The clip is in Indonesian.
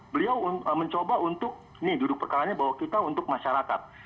beliau mencoba untuk nih duduk perkaranya bahwa kita untuk masyarakat